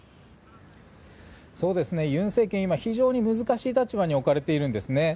尹政権は今非常に難しい立場に置かれているんですね。